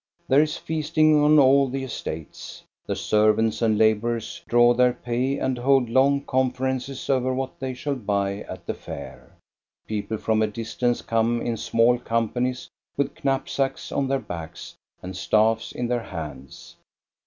There is feasting on all the estates. The servants and laborers draw their pay and hold long conferences over what they shall buy at the Fair. People from a distance come in small companies with knapsacks on their backs and staffs in their hands.